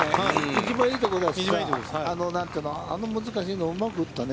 一番いいところだし、あの難しいのをうまく打ったね。